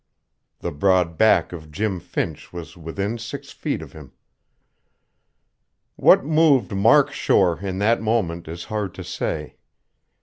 The broad back of Jim Finch was within six feet of him.... What moved Mark Shore in that moment, it is hard to say.